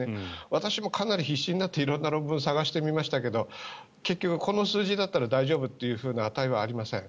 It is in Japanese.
私もかなり必死になって色んな論文を探してみましたが結局、この数字だったら大丈夫という値はありません。